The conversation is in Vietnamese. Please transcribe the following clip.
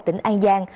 tỉnh an giang